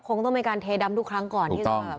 คงต้องมีการเทดำทุกครั้งก่อนที่จะ